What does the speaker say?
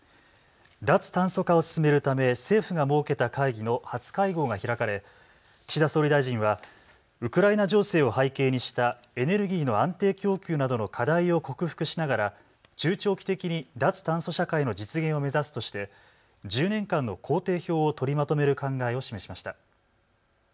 脱炭素化を進めるため政府が設けた会議の初会合が開かれ岸田総理大臣はウクライナ情勢を背景にしたエネルギーの安定供給などの課題を克服しながら中長期的に脱炭素社会の実現を目指すとして１０年間の工程表を取りまとめる考えを示しました。